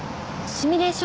シミュレーション？